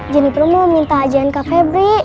jeniper mau minta ajarin kak febri